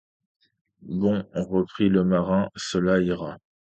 Bon ! reprit le marin, cela ira.